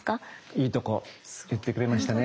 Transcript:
いいとこ言ってくれましたね。